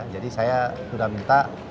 jadi saya sudah minta